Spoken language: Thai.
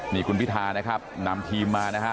นี่คุณพิธานะครับนำทีมมานะฮะ